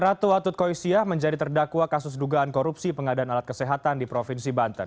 ratu atut koisiah menjadi terdakwa kasus dugaan korupsi pengadaan alat kesehatan di provinsi banten